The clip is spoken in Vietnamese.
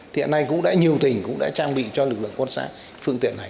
thì hôm nay cũng đã nhiều tỉnh cũng đã trang bị cho lực lượng công an xã phương tiện này